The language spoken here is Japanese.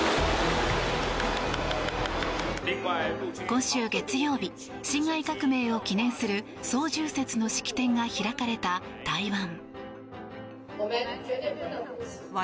今週月曜日辛亥革命を記念する双十節の式典が開かれた台湾。